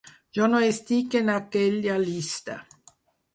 Jo no estic en aquella llista.